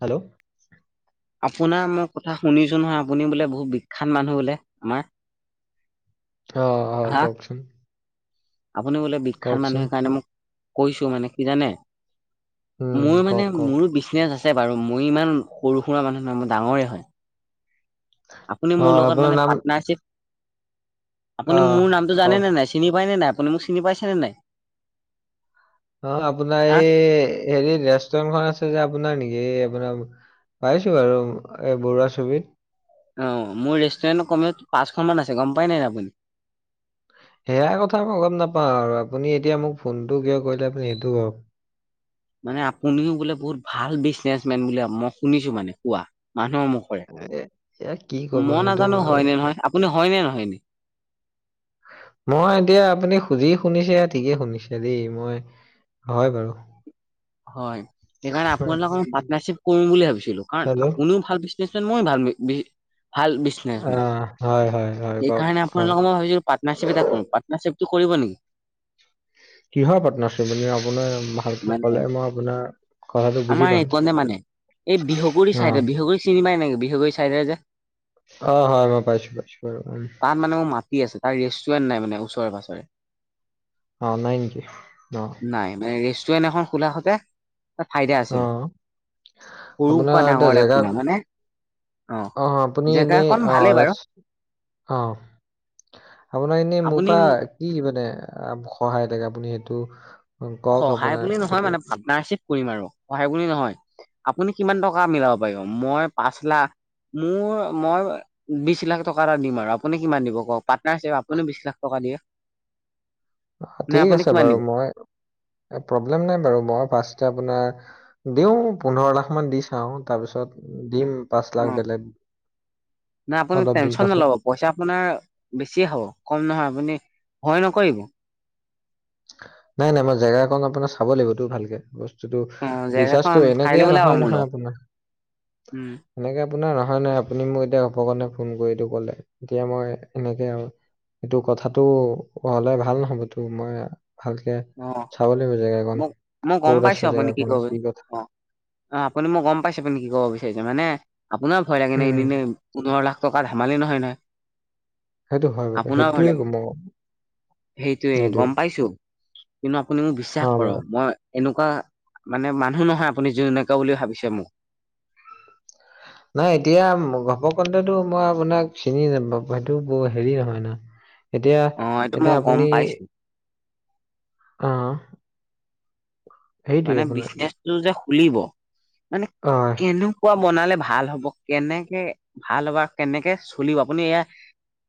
Hello আপোনাৰ মই কথা শুনিছোঁ নহয়, আপুনি বোলে বহুত বিখ্যাত মানুহ বোলে আমাৰ। অ', হয় কওকচোন! আপুনি বোলে বিখ্যাত কওকচোন মানুহে কাৰণে মোক কৈছো মানে কি জানে? উম মোৰ মানে কওক কওক মোৰো বিচনেচ আছে আছে বাৰু মই ইমান সৰু সুৰা মানুহ নহয় মোৰ ডাঙৰে হয় আপুনি মোৰ অঁ লগত আপোনাৰ মানে নাম পাৰ্টনাৰশ্বিপ আপুনি আহ মোৰ নামটো জানে কওক নে নাই চিনি পায়নে নাই আপুনি মোক চিনি পাইছেনে নাই? অ', আপোনাৰ হা এই হেৰি ৰেষ্টুৰেন্টখন আছে যে আপোনাৰ নেকি? এই আপোনাৰ পাইছো আৰু এই বৰুৱা ছবিত। অ', মোৰ ৰেষ্টুৰেণ্টত কমেও পাঁচখন মান আছে গম পাই নাই আপুনি? সেয়া কথা মই গম নাপাওঁ আৰু আপুনি এতিয়া মোক ফোনটো কিয় কৰিলে আপুনি সেইটো কওক। মানে আপুনিও বোলে বহুত ভাল বিজনেচ মেন বুলি মই শুনিছো মানে কোৱা। মানুহৰ মুখৰে এ এয়া কি ক'ব মই নো এইটো নাজানো আৰু হয়নে নহয় আপুনি হয়নে নহয় এনে? মই এতিয়া আপুনি যি শুনিছে ঠিকে শুনিছে দেই। মই হয় বাৰু। হয় সেইকাৰণে আপোনালোকক ম পাৰ্টনাৰশ্বিপ কৰিম বুলি ভাবিছিলো কাৰণ হেল্ল' আপুনিও ভাল মই ভাল বি ভাল বিজনেচমে আহ হয় হয় হয় কওক সেইকাৰণে হয় আপোনালোকক মই ভাবিছো পাটনাৰচিপ এটা কৰো পাটনাৰ কৰিব নেকি? কিহৰ পাৰ্নাৰশ্বিপ এ আপোনাৰ ভালকে মানে ক'লে মই আপোনাৰ কথাটো বুজি আমাৰ পাম এক নে মানে এই বিহুগুৰি অ চাইডত বিহুগুৰি চিনি পায় বিহুগুৰি চাইদে যে অ হয় মই পাইছো পাইছো বাৰু উম তাত মানে মোৰ মাটি আছে তাৰ ৰেষ্ট ৱেন্ট নাই মানে ওচৰে পাজৰে। অ', নাইকি অহ। ৱেন্ট এখন খোলা হতে ফাইদা অ আছিল। আপোনাৰ এটা জেগা অ', আপুনি এনেই জেগাখন ভালেই আহ বাৰু অ', আপোনাৰ এনেই মোৰ পৰা আপুনি কি মানে আহ সহায় থাকে আপুনি সেইটো কওক সহায় আপোনাৰ বুলি নহয় তেতিয়া মানে পাৰ্টনাৰশ্বিপ কৰিম আৰু সহায় বুলি নহয়। আপুনি কিমান টকা মিলাব পাৰিব মই পাঁচ লাখ মোৰ মই বিশ লাখ টকা এটা দিম আৰু আপুনি কিমান দিব কওক। পাটনাৰশ্বিপ আপুনিও বিশ লাখ টকা দিয় ঠিক আছে কিমান দিব? বাৰু মই [inaudible] প্ৰব্লেম নাই বাৰু মই ফ্ৰাচৰ্টে আপোনাৰ দিওঁ পোন্ধৰ লাখ মান দি চাওঁ তাৰপিছত দিম পাঁচ লাখ বেলেগ নাই আপুনি অলপ দিন টেনচন পাছত নলব পইচা আপোনাৰ বেছিয়ে হ'ব কম নহয় আপুনি ভয় নকৰিব। নাই নাই মই জেগা এক আপোনাৰ চাব লাগিবতো ভালকে বস্তু টো অ ৰিচাৰ্চ জেগাখন কৰি এনেকে কাইলৈ ওলাব নহয় মোৰ নহয় লগত আপোনাৰ। উম এনেকে আপোনাৰ নহয় নহয় আপুনি মোক এতিয়া অপকণে ফোন কৰিটো কলে এতিয়া মই এনেকে আৰু এইটো কথাাতটো হলে ভাল হ'বতো মই ভালকে অ', চাব লাগিব জেগাকণ মই-মই গম ক'ত পাইছো আছে আপুনি কি জেগাকণ ক'ব কথা অ' অ', আপুনি মই গম পাইছে আপুনি কি ক'ব বিচাৰিছে মানে আপোনাৰ ভয় লাগে নে উম এনে এনে পোন্ধৰ লাখ টকা ধেমালি নহয় নহয়। সেইটো হয় বাৰু আপোনাও ভয় সেইটোৱে লাগে মই সেইটোয়ে সেইটোৱে গ'ম পাইছে। কিন্তু আপুনি মোক বিশ্বাস অ কৰক। বাৰু মই এনেকুৱা মানে মানুহ নহয় আপুনি যেনেকুৱা বুলি ভাবিছে মোক। নাই এতিয়া ঘপকনটেতো মই আপোনাক চিনি নাপাওঁ, সেইটো হেৰি নহয় ন। এতিয়া- অ এইটো মই এতিয়া গম আপুনি, পাইছো অ'। সেইটোৱে মানে আপোনাৰ বিজনেচটো যে খুলিব মানে অ কেনেকুৱা বনালে ভাল হ'ব কেনেকে ভাল হ'ব আৰু কেনেকে চলিব আপুনি এয়া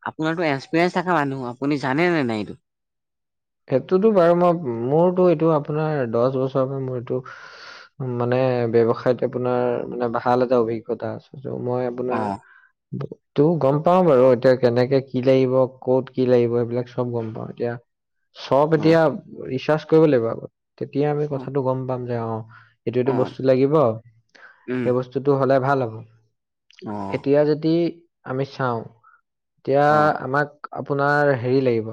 আপোনাৰো এক্সপিৰিয়েঞ্চ থকা মানুহ আপুনি জানেনে নাই এইটো। সেইটোতো বাৰু মই মোৰতো এইটো আপোনাৰ দচ বছৰৰ পৰা মোৰ এইটো মানে এ ব্যৱসায়ত আপোনাৰ মানে ভাল এটা অভিজ্ঞতা আছে মই অ আপোনাৰ টো গম পাও বাৰু এতিয়া কেনেকে কি লাগিব ক'ত কি লাগিব এইবিলাক চব গম পাও এতিয়া চব অ এতিয়া ৰিচাৰ্চ কৰিব লাগিব আকৌ, তেতিয়া আমি অ কথাটো গম পাম যে অ' এইটো-এইটো অ বস্তু লাগিব, উম সেই বস্তুটো হ'লে ভাল হ'ব। অ এতিয়া যদি আমি চাওঁ এতিয়া অ আমাক আপোনাৰ হেৰি লাগিব,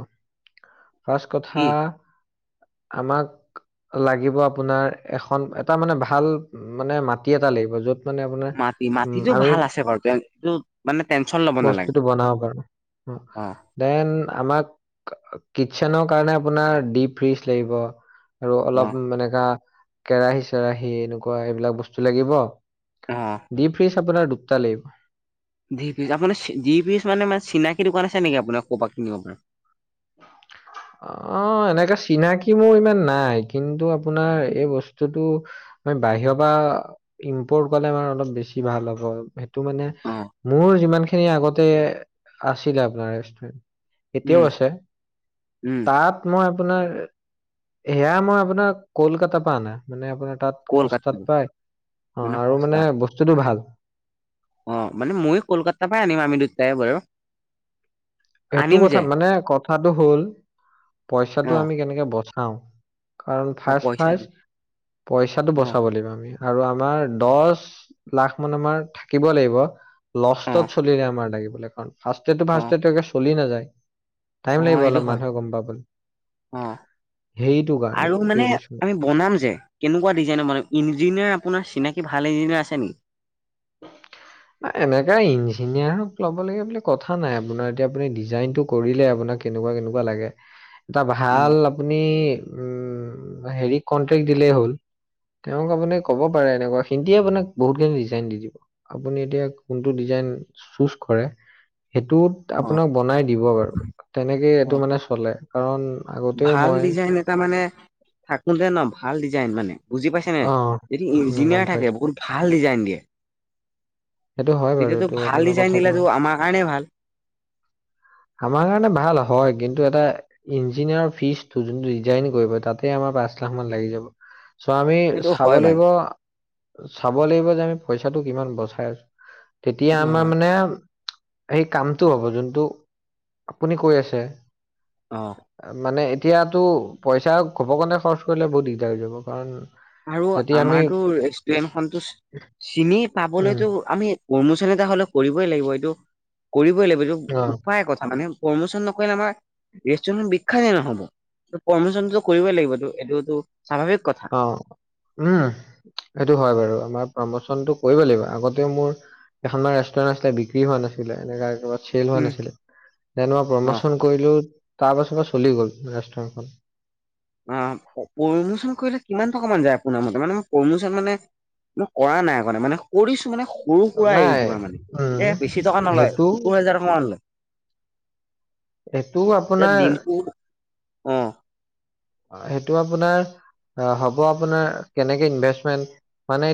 ফাৰ্ষ্ট কি কথা আমাক লাগিব আপোনাৰ এখন এটা মানে ভাল মানে মাটি এটা লাগিব য'ত মানে আপোনাৰ মাটি উম মাটিতো আমি ভাল আছে বাৰু তে এইটো মানে টেনচন ল'ব নালাগে বস্তুটো বনাব পাৰোঁ। অ দেন আমাক কিটচেনৰ কাৰণে আপোনাৰ ডিপ ফ্ৰিজ লাগিব। আৰু অ অলপ এনেকা কেৰাহী চেৰাহী এনেকুৱা এইবিলাক বস্তু লাগিব। অ ডিপ ফ্ৰিজ আপোনাৰ দুটা লাগিব। ডিপ ফ্ৰিচ আপোনাৰ দিপ ফ্ৰিচ মানে- মানে চিনাকি দোকান আছে নেকি আপোনাৰ ক'পা কিনিব পৰা। [inaudible] অ' এনেকা চিনাকি মোৰ ইমান নাই, কিন্তু আপোনাৰ এই বস্তুটো মই বাহিৰৰ পৰা ইম্পৰ্ট ক'লে মানে অলপ বেছি ভাল হ'ব সেইটো মানে অ', মোৰ যিমান খিনি আগতে আছিলে আপোনাৰ ৰেষ্টুৰেণ্ট এতিয়াও উম, আছে, উম, তাত মান আপোনাৰ সেয়া মই আপোনাৰ কলকাতাৰ পৰা আনা মানে আপোনাৰ তাত কলকাতা সস্তাত পায় অ' আৰু মানে বস্তুটো ভাল। অ' মানে ময়ো কলকাতাৰ পৰাই আনিম আমি দুটাই বাৰু। সেইটো আনিম কথা যে মানে, কথাটো হ'ল পইচাটো অ', আমি কেনেকে বচাও। কাৰণ অ', পইচাটো ফাৰ্ষ্ট-ফাৰ্ষ্ট পইচাটো অ', বচাব লাগিব আমি, আৰু আমাৰ দছ লাখ মান আমাৰ থাকিব লাগিব, লষ্টত অ', চলিলে আমাৰ লাগিব [unintelligible] অ', ফাৰ্ষ্টতেটো-ফাৰ্ষ্টতেটো একে চলি নাযায়, টাইম অ', লাগিব সেইটো অলপ হয় মানুহে গম পাবলে। অ'। আৰু মানে সেইটোৱে কৈছো মই আমি বনাম যে, কেনেকুৱা ডিজাইনৰ মানে ইঞ্জিনিয়াৰ আপোনাৰ চিনাকি ভাল [unintelligible] আছে নেকি। আ এনেকা ইঞ্জিনিয়াৰক ল'ব লাগে বুলি কথা নাই আপোনাৰ এতিয়া আপুনি ডিজাইনটো কৰিলে আপোনাক কেনেকুৱা-কেনেকুৱা লাগে। এটা উম, ভাল আপুনি উম হেৰি কনট্ৰেকট দিলেই হ'ল। তেওঁক আপুনি ক'ব পাৰে এনেকুৱা সিহঁতিয়ে আপোনাক বহুত খিনি ডিজাইন দি দিব। আপুনি এতিয়া কোনটো ডিজাইন চুজ কৰে। সেইটোত অ', আপোনাক বনাই দিব বাৰু, তেনেকে এইটো অ', মানে চলে, কাৰণ আগতেও ভাল মই ডিজাইন এটা মানে থাকো তে ন ভাল ডিজাইন মানে। বুজি পাইছানে, অ যদি ইঞ্জিনিয়াৰ গম থাকে পাইছো বহুত ভাল ডিজাইন দিয়ে। সেইটো হয় বাৰু তেতিয়াতো এইটো ভাল আপোনাৰ ডিজাইন কথাটো। দিলেতো আমাৰ কাৰণে ভাল। আমাৰ কাৰণে ভাল হয়, কিন্তু এটা ইঞ্জিনিয়াৰৰ ফিজটো যোনটো দিজাইন কৰিব, তাতে আমাৰ পাঁচ লাখ মান লাগি যাব। চ' আমি সেইটো চাব হয় ভাই লাগিব- চাব লাগিব যে আমি পইচাটো কিমান বচাই আছো। তেতিয়া সেইটো আমাৰ হয় মানে সেই কামটো হ'ব যোনটো, আপুনি কৈ আছে মানে এতিয়াতো পইচা ঘপকনে কাৰণে খৰচ কৰিলে বহুত দিগদাৰ হৈ যাব কাৰণ আৰু যদি আমি আমাৰতো ৰেষ্টুৰেন্ট খনতো চিনি উম পাবলৈতো আমি প্ৰমোচন এটা হ'লেও কৰিবই লাগিব এইটো কৰিবই লাগিব এইটো অ উপায় কথা মানে প্ৰমোচন নকৰিলে আমাৰ ৰেষ্টুৰে বিখ্যানে নহ'ব। পমিশনটোতো কৰিবই লাগিবতো এইটোতটো স্বাভাৱিক কথা। অ উম, সেইটো হয় বাৰু আমাৰ প্ৰমোচনটো কৰিব লাগিব আগতেও মোৰ এখনমান ৰেষ্টুৰেট আছিলে বিক্ৰী হোৱা নাছিলে এনে। চেল হোৱা উম নাছিলে যে মই অ প্ৰমোচন কৰিলো। তাৰ পাছৰ পৰা চলি গ'ল ৰেষ্টুৰেটখন। অ, প্ৰমোচন কৰিলে কিমান টকা মান যায় আপোনাৰ মতে মানে ম প্ৰমোচন মানে মই কৰা নাই কাৰণে মানে কৰিছো মানে গৰু কুৰা আহ নাই তমাৰ মানে উম এয়া পেছি টকা নলয় সত্তৰ হোজাৰ টকা মান লয়। এইটো আপোনাৰ। অহ ', সেইটো আপোনাৰ হ'ব আপোনাৰ কেনেকে ইনভেষ্টমেন্ট মানে।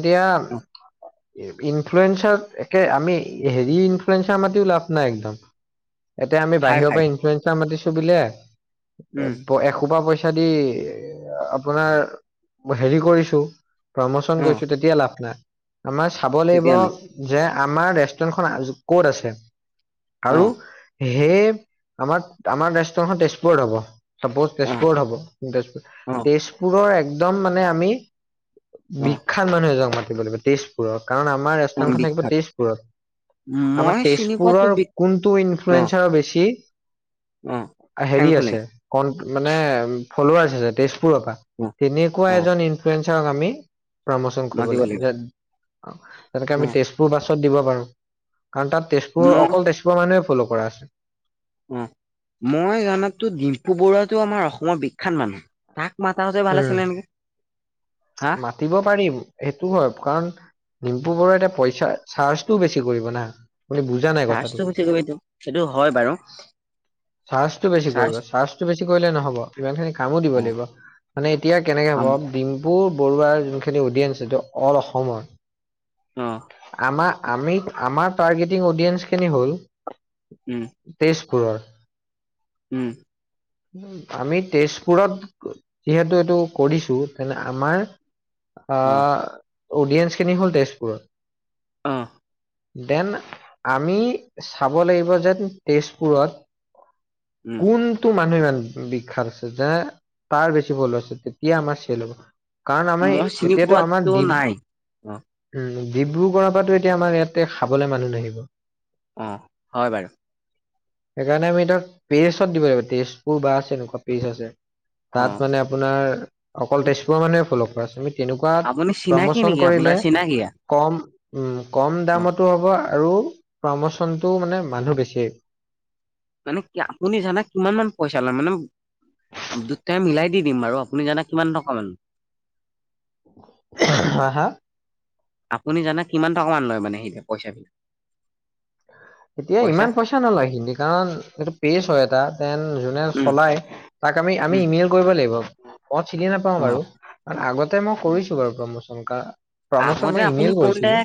অ', এতিয়াৰ ইনফ্লুয়েন্ঞ্চাৰ একে আমি হেৰি ইনফ্লুয়েন্ঞ্চাৰ মাটও লাভ নাই একদম। এতিয়া আমি হাই বাহিৰৰ ফাই পৰা ইঞ্চুৰেঞ্চ মাতিছো বুললে উম, এশোপা পইচা। ইচা দি আপোনাৰ হেৰি কৰিছো। প্ৰমোচন অ', কৰিছো তেতিয়া লাভ নাই। আমাৰ চাব লাগিব তেতিয়া নাই যে আমাৰ ৰেষ্টুৰেন্টখন ক'ত আছে। আৰু অ', সেই আমাৰ- আমাৰ ৰাজষ্টখন তেজপুৰত হ'ব। চাপজ অ', তেজপুৰত হ'ব তেজপুৰ - অ', তেজপুৰৰ একদম মানে আমি অ', বিখ্যাত মানুহ এজনক মাতি লাগিব তেজপুৰৰ কাৰণ আমাৰ অ', ৰেষ্টুৰেণ্টখন থাকিব বিখ্যাত তেজপুৰত। আমাৰ মই চিনি পোৱাতো তেজপুৰৰ বি কোনটো অ', ইনফ্লুয়েন্ঞ্চা বেছি। অ', হেৰি ফেংফলেং আছে কন মানে তেজপুৰৰ পৰা অ', তেনেকুৱা অ', এ ইনফ্লোইঞ্চাৰক আমি প্ৰমোচন কৰিব লাগিব যে তেনেকে আমি অ', তেজপুৰ বাছত দিব পাৰো। কাৰণ তাত তেজপুৰৰ মই অকল তেজপুৰৰ মানুহে ফ'ল' কৰা আছে। উম, মই জানাতো ডিম্পু বৰুৱাতটো আমাৰ অসমৰ বিখ্যাত মানুহ তাক মাতাহতে ভালে উম আছিল নেকি। হা মাতিব পাৰিম সেইটো হয় কাৰণ দিম্পু বৰু এতিয়া পইচা চাৰ্জটোও বেছি কৰিব না। আপুনি বুজা নাই কথাটো চাৰ্জটো গুি গ এইটো সেইটো হয় বাৰু। চাৰ্জটো বেছি কৰিব চাৰ্জ চাৰ্জটো বেছি কৰিলে নহব ইমান খিনি কামো দিব অ', লাগিব। মানে এতিয়া কেনেকে আম হ'ব ডিম পু বৰুৱাৰ যোনখিনি অডিয়েঞ্চ এইটো অল অ', অসমৰ আমাৰ আমি আমাৰ টাৰ্গেটিং অডিয়েন্স খিনি হ'ল। উম, কুকুৰৰ। উম, আমি তেজপুৰত যিহেতু এইটো কৰিছো তেনে আমাৰ অ', আহ, অডিয়েঞ্চ খিনি হ'ল তেজপুৰত অহ ', দেন আমি চাব লাগিব যেন তেজপুৰত উম, কোনটো মানুহে ভাল বিখ্যাত আছে যে তাৰ বেছি ভল আছে তেতিয়া আমাৰ চেল হ'ব। কাৰণ আমাৰ মই চিনি এতিয়াতো আমাৰ পোৱাতো দ উম, নাই অ', ডিব্ৰুগড়ৰ পৰাো এতিয়া আমাৰ ইয়াতে খাবলৈ মানুহ নাহিব। অহ, হয় বাৰু সেইকাৰণে আমি ধৰ পেৰিচত দিব লাগিব তেজপুৰ বা আছে নকুৱা পেৰিচ আছে। অ'। তাত মানে আপোনাৰ অকল তেজপুৰৰ মানুহে ফ'ল' কৰা আছে। তেনেকুৱাত আপুনি চিনাকি প্ৰমোচন নেকি আপোনাৰ কৰিলে চিনাকিয়া কম উম কম অ দামতো হ'ব আৰু প্ৰমোচনটো মানে মানুহ বেছি মানে কি আপুনি জানে কিমান মান পইচা লে মানে দুটাই মিলাই দি দিম বাৰু আপুনি জানা কিমান টকা মান হা [unintelligible] আপুনি জানে কিমান টকামান লয় মানে সেই পইচাটো এতিয়া ইমান পইচা নলয় হিন্দী কাৰণ এইটো পেজ হয় এটা দেন যোনে উম চলাই তাক আমি আমি উম ইমেইল কৰিব লাগিব। মই চিনি নাপাও অ বাৰু কাৰ আগতে মই কৰিছো বাৰু প্ৰমোচন কাৰ প্ৰমোচন আগতে মই আপুনি ইমেইল কোনতে কৰিছিলো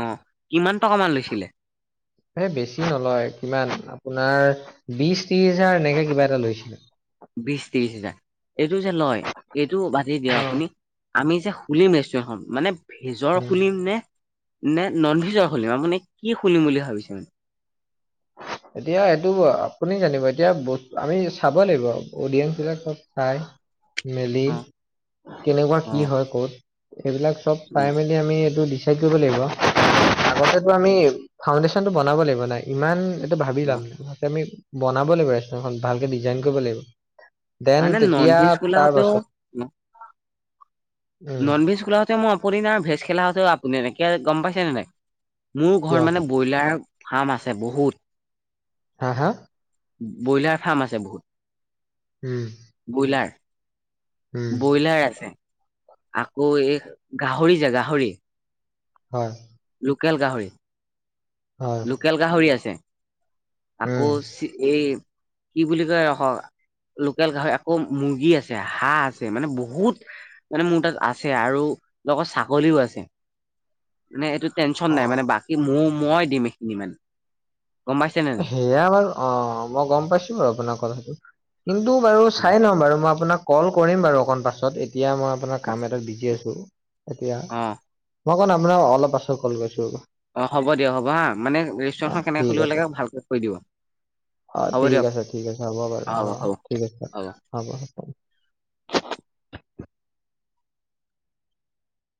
অ কিমান টকামান লৈছিলে এই বেছি নলয় কিমান আপোনাৰ বিশ ত্ৰিশ হাজাৰ এনেকে কিবা এটা লৈছিলে। বিশছ ত্ৰিশ হোজাৰ। এইটো যে লয় এইটো বাজতি দিয়ক উম আপুনি আমি যে খুলিম ৰেষ্টুৰেণ্টখন মানে ভেজৰ খুলিম নে নে নন ভেজৰ খুলিম আৰু মানে কি খুলিম বুলি ভাবিছে মানে। [unintelligible] এতিয়া এইটো আপুনি জানিব এতিয়া আমি চাব লাগিব অডিয়েঞ্চ বিলাক চব চাই। মেলি অ কেনেকুৱা অ কি হয় ক'ত সেইবিলাক চব অ চাই মেলি আমি এইটো দিছো [unintelligible] আমি ফাউণ্ডেশ্যনটো বনাব লাগিব নাই ইমান এইটো ভাবি অ লাম আমি বনাব লাগিব ভালকে ডিজাইন কৰিব লাগিব। দেন মানে নন তেতিয়া ভেজ তাৰ খোলাওতেও পাছত অ উম নন ভেজ খোলাাহঁতেও মই অপদি নাই ভেজ খেলাোঁতেও আপুনি নাই এনেকে গম পাইছেনেে নাই। মোৰ ঘৰত কিয় মানে ব্ৰইলাৰ ফাৰ্ম আছে বহুত। হা, হা। ব্ৰইলাৰ ফাৰ্ম আছে উম বহুত ব্ৰইলাৰ। উম ব্ৰইলাৰ আছে আকৌ এই গাহৰি যে গাহৰি হয়। লোকেল গাহৰি। হয় লোকেল গাহৰি আছে। আকৌ উম এই কি বুলি কয়। লোকেল গাহৰি আকৌ মুৰ্গী আছে হাঁহ আছে মানে বহুত মানে মোৰ তাত আছে আৰু লগৰ ছাগলীও আছে মানে এইটো টেনচন অ নাই মানে বাকী ম মই দিম এইখিনি মান সেয়া বাৰু অ, মই গম পাইছো বাৰু আপোনাৰ কথাটো কিন্তু টো বাৰু চাই লওঁ বাৰু মই আপোনাক কল কৰিম বাৰু অকণ পাছত এতিয়া মই আপোনাৰ কাম এটাত বিজি আছো এতিয়া অ মই ক' আপোনাৰ অলপাছত কল কৰিছোঁ অ', হ'ব দিয়ক হ'ব হা মানে অ ৰেষ্টুৰেণ্টখন কেনেকৈ ঠিক খুলিব আছে লাগে ভালকৈ কৰি দিব। অ', হ'ব ঠিক দিয়ক আছে ঠিক আছে হ'ব বাৰু অ ঠিক আছে হ'ব হব। [inaudible]